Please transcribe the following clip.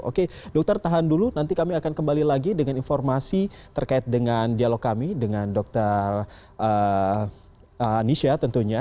oke dokter tahan dulu nanti kami akan kembali lagi dengan informasi terkait dengan dialog kami dengan dokter nisha tentunya